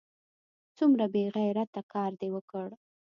څومره بې غیرته کار دې وکړ!